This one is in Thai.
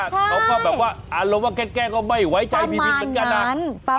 ใช่เขาก็แบบว่าอารมณ์ว่าแกล้งแกล้งก็ไม่ไว้ใจพี่วินเป็นอย่างนั้นประมาณนั้น